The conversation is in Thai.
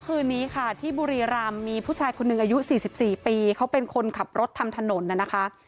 คืนนี้ค่ะที่บุรีรำมีผู้ชายคนหนึ่งอายุ๔๔ปีเขาเป็นคนขับรถทำถนนน่ะนะคะ